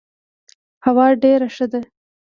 هوا ډيره ښه ده.